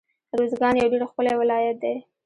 روزګان يو ډير ښکلی ولايت دی